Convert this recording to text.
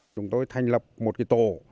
chúng tôi thành lập một cái tổ